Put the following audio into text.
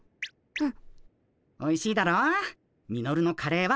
うん？